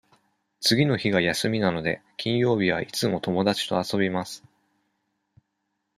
次の日が休みなので、金曜日はいつも友達と遊びます。